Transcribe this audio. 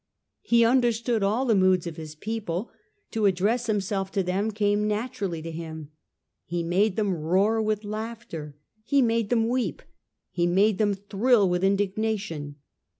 He understood all the moods of his people ; to address himself to them came naturally to him. He made them roar with laughter ; he made them weep; he made them thrill with indignation.